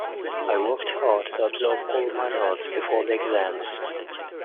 I worked hard to absorb all of my notes before the exams.